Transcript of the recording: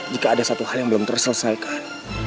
jika ada satu hal yang belum terselesaikan